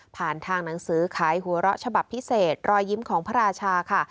ทางหนังสือขายหัวเราะฉบับพิเศษรอยยิ้มของพระราชาค่ะ